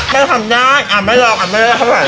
ไม่ทำได้อ่ะไม่รอคันไม่ได้ให้เข้าความสายใด